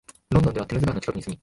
ロンドンではテームズ川の近くに住み、